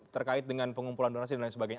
terkait dengan pengumpulan donasi dan lain sebagainya